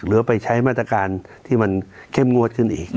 หรือไปใช้มาตรการที่มันเข้มงวดขึ้นอีก